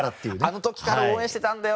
「あの時から応援してたんだよ」